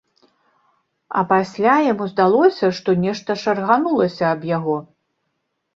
А пасля яму здалося, што нешта шарганулася аб яго.